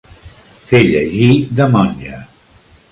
Fer llegir de monja.